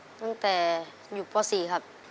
ตั้งแต่อยู่ป๔ครับ